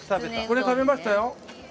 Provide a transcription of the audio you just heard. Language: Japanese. これ食べました？